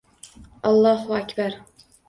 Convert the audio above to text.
Ollohu akbar!